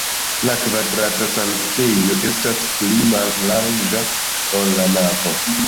La kvadrata sanktejo estas pli mallarĝa, ol la navo.